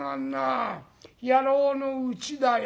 野郎のうちだよ。